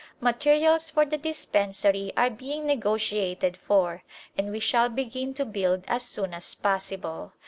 Materials for the dispensary are being negotiated for, and we shall begin to build as soon as possible.